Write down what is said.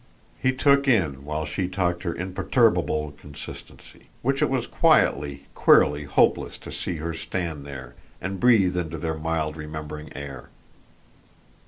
He took in while she talked her imperturbable consistency; which it was quietly, queerly hopeless to see her stand there and breathe into their mild remembering air.